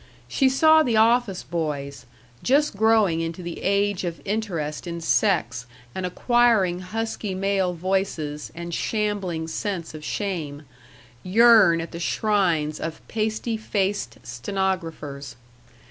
She saw the office boys, just growing into the age of interest in sex and acquiring husky male voices and shambling sense of shame, yearn at the shrines of pasty faced stenographers.